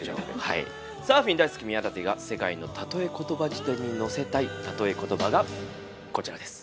サーフィン大好き宮舘が「世界のたとえコトバ辞典」に載せたいたとえコトバがこちらです。